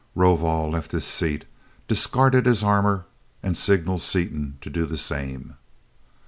Rovol left his seat, discarded his armor, and signaled Seaton to do the same.